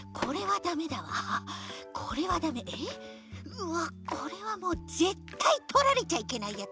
うわっこれはもうぜったいとられちゃいけないやつ。